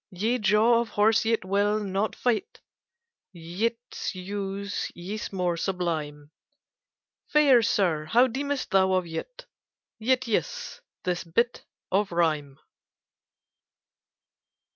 Ye jawe of horse yt wyll not fytte; Yts use ys more sublyme. Fayre Syr, how deemest thou of yt? Yt ys—thys bytte of rhyme.